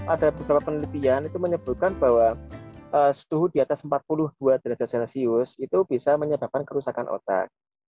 ada beberapa penelitian itu menyebutkan bahwa suhu di atas empat puluh dua derajat celcius itu bisa menyebabkan kerusakan otak